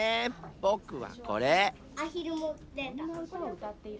ぼくはこれ。